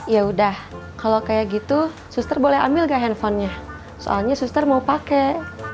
yaudah kalau kayak gitu suster boleh ambil nggak handphonenya soalnya suster mau pakai